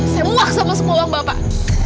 saya muak sama semua orang bapak